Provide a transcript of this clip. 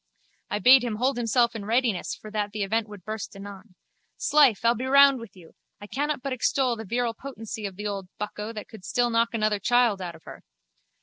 I bade him hold himself in readiness for that the event would burst anon. 'Slife, I'll be round with you. I cannot but extol the virile potency of the old bucko that could still knock another child out of her.